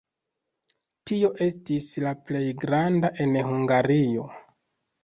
Tio estis la plej granda en Hungario.